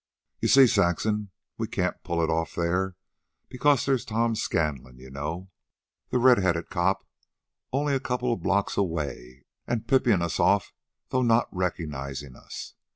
"You see, Saxon, we can't pull it off there, because there's Tom Scanlon you know, the red headed cop only a couple of blocks away an' pipin' us off though not recognizin' us.